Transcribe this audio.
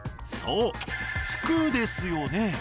そう「服」ですよね。